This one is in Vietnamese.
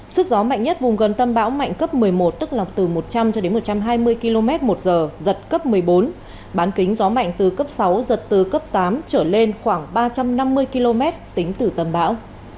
sức gió mạnh nhất vùng gần tâm bão mạnh cấp một mươi một tức là từ một trăm linh cho đến một trăm hai mươi km một giờ giật cấp một mươi bốn bán kính gió mạnh từ cấp sáu giật từ cấp tám trở lên khoảng ba trăm năm mươi km tính từ tâm bão